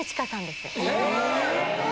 え！